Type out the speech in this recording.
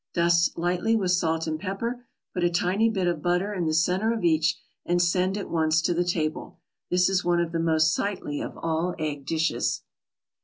Dust lightly with salt and pepper, put a tiny bit of butter in the center of each, and send at once to the table. This is one of the most sightly of all egg dishes.